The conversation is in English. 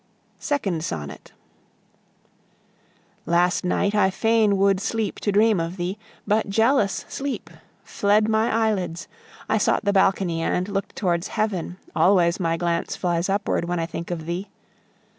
SECOND SONNET Last night I fain would sleep to dream of thee, But jealous sleep fled my eyelids, I sought the balcony and looked towards heaven, Always my glance flies upward when I think of thee.